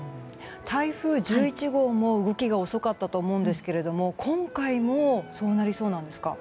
台風１１号も動きが遅かったと思うんですが今回もそうなりそうなんですか？